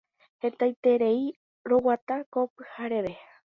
Hetaiterei roguata ko pyhareve.